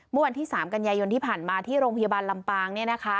เมื่อวันที่๓กันยายนที่ผ่านมาที่โรงพยาบาลลำปาง